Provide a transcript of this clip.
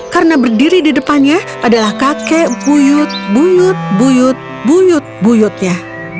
karena berdiri di depannya adalah kakek buyut buyut buyut buyut buyutnya